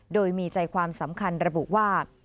โดยมีใจความสำคัญระบุว่า